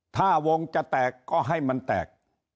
ถ้าวงจะแตกก็ให้มันแตก